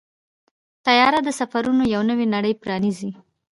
طیاره د سفرونو یو نوې نړۍ پرانیزي.